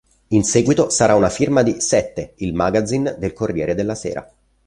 In seguito sarà una firma di "Sette, il Magazine del Corriere della Sera".